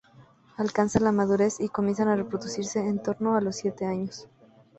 Alcanzan la madurez y comienzan a reproducirse en torno a los siete años.